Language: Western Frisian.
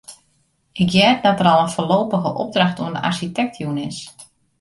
Ik hear dat der al in foarlopige opdracht oan de arsjitekt jûn is.